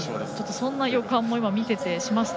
そんな予感も見ててしました。